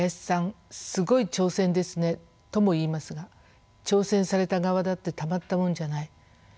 すごい挑戦ですね」とも言いますが挑戦された側だってたまったもんじゃない。